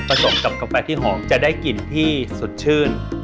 สมกับกาแฟที่หอมจะได้กลิ่นที่สุดชื่น